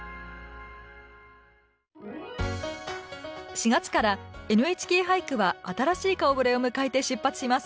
４月から「ＮＨＫ俳句は」新しい顔ぶれを迎えて出発します。